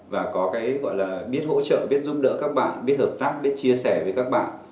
và có cái gọi là biết hỗ trợ biết giúp đỡ các bạn biết hợp tác biết chia sẻ với các bạn